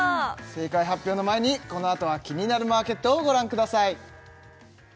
正解発表の前にこのあとは「キニナルマーケット」をご覧ください